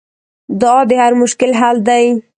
دعا د هر مشکل حل دی.